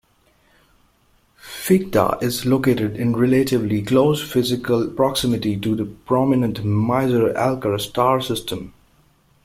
Phecda is located in relatively close physical proximity to the prominent Mizar-Alcor star system.